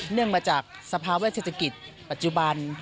เนื่องมาจากสภาวะเศรษฐกิจปัจจุบัน